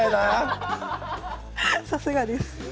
さすがです。